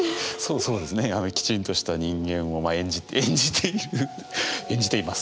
きちんとした人間をまあ演じて演じている演じています。